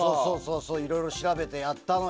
いろいろ調べて、やったのよ。